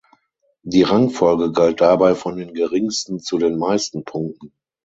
Die Rangfolge galt dabei von den geringsten zu den meisten Punkten.